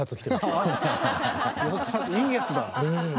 いいやつだ！